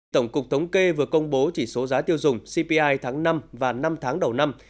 tổng cục thống kê vừa công bố chỉ số giá tiêu dùng cpi tháng năm và năm tháng đầu năm